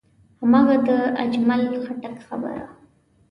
هماغه د اجمل خټک خبره.